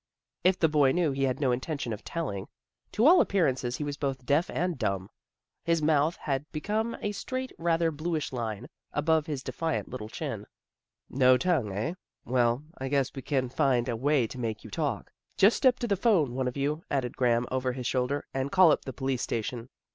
" If the boy knew r , he had no intention of tell ing. To all appearances he was both deaf and dumb. His mouth had become a straight, rather bluish line, above his defiant little chin. " No tongue, eh? Well, I guess we can find a way to make you talk. Just step to the 'phone, one of you," added Graham over his shoulder, " and call up the police station."